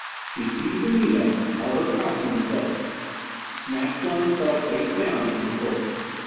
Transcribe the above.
She seized Anita, held her crouching in place. Snap flung himself face down at the controls.